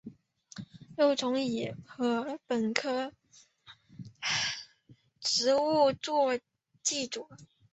幼虫以禾本科植物作寄主。